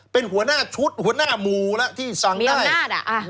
เป็นหัวหน้าชุดหัวหน้าหมูละที่สั่งได้มีอำนาจอะ